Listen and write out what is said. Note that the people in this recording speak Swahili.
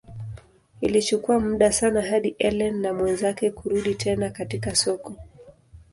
Ilichukua muda sana hadi Ellen na mwenzake kurudi tena katika soko.